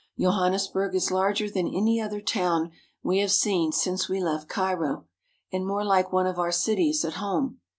Johan nesburg is larger than any other town we have seen since we left Cairo, and more like one of our cities at home.